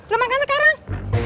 lu makan sekarang